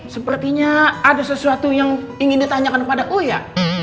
sepertinya ada sesuatu yang ingin ditanyakan padaku iya